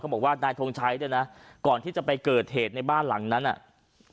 บอกว่านายทงชัยเนี่ยนะก่อนที่จะไปเกิดเหตุในบ้านหลังนั้นอ่ะ